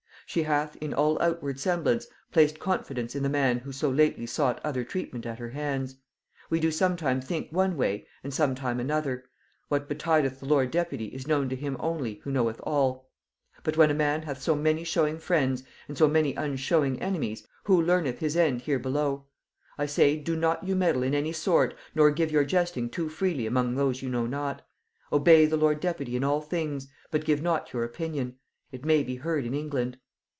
She hath, in all outward semblance, placed confidence in the man who so lately sought other treatment at her hands; we do sometime think one way, and sometime another; what betideth the lord deputy is known to him only who knoweth all; but when a man hath so many showing friends, and so many unshowing enemies, who learneth his end here below? I say, do not you meddle in any sort, nor give your jesting too freely among those you know not; obey the lord deputy in all things, but give not your opinion; it may be heard in England.